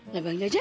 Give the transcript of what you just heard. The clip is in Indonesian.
ya bang jajak